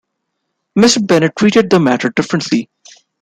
Mr. Bennet treated the matter differently.